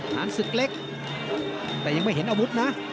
ฐานศึกเล็กแต่ยังไม่เห็นอาวุธนะ